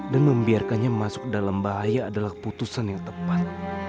dan membiarkannya masuk dalam bahaya adalah keputusan yang tepat